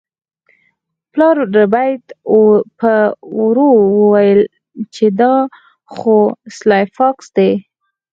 پلار ربیټ په ورو وویل چې دا خو سلای فاکس دی